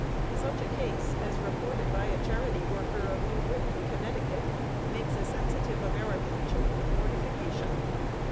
Such a case, as reported by a charity worker of New Britain, Connecticut, makes a sensitive American choke with mortification.